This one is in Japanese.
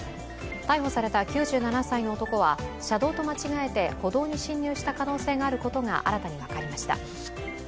逮捕された９７歳の男は車道で間違えて歩道に進入した可能性があることが新たに分かりました。